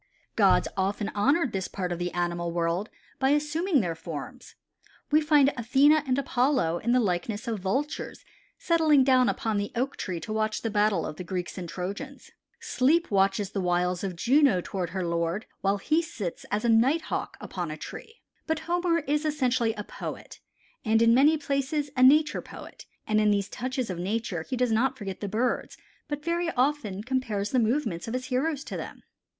Gods often honored this part of the animal world by assuming their forms. We find Athene and Apollo in the likeness of Vultures settling down upon the Oak tree to watch the battle of the Greeks and Trojans. Sleep watches the wiles of Juno toward her lord while he sits as a Nighthawk upon a tree. But Homer is essentially a poet, and in many places a nature poet, and in these touches of nature he does not forget the birds, but very often compares the movements of his heroes to them.